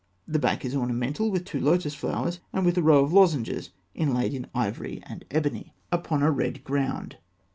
The back is ornamented with two lotus flowers, and with a row of lozenges inlaid in ivory and ebony upon a red ground.